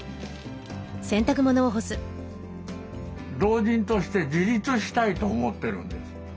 老人として自立したいと思ってるんです。